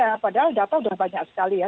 ya padahal data sudah banyak sekali ya